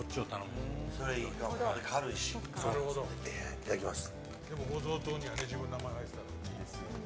いただきます。